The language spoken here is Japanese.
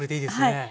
はい。